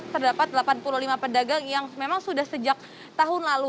terdapat delapan puluh lima pedagang yang memang sudah sejak tahun lalu